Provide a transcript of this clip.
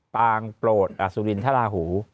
ปางโปรดอสุรินทราหู